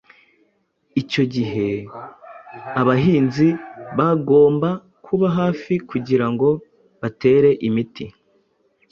icyo gihe abahinzi bagomba kuba hafi kugira ngo batere imiti